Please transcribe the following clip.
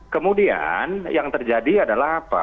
kemudian yang terjadi adalah apa